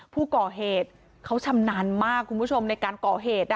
ผู้ก่อเหตุเขาชำนาญมากคุณผู้ชมในการก่อเหตุ